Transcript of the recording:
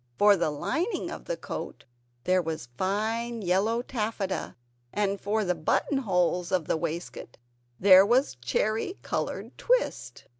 For the lining of the coat there was fine yellow taffeta, and for the button holes of the waistcoat there was cherry coloured twist.